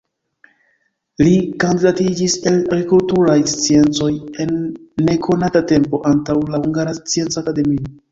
Li kandidatiĝis el agrikulturaj sciencoj en nekonata tempo antaŭ la Hungara Scienca Akademio.